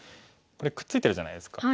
これくっついてるじゃないですか。